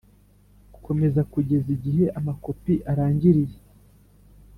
Gukomeza kugeza igihe amakopi arangiriye